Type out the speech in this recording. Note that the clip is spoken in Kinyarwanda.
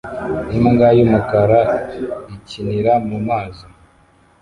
Imbwa y'umukara ikinira mu mazi